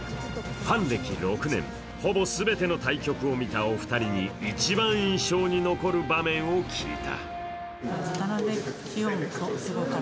ほぼ全ての対局を見たお二人に一番印象に残る場面を聞いた。